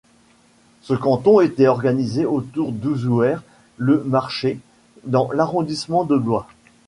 Ce canton était organisé autour d'Ouzouer-le-Marché dans l'arrondissement de Blois.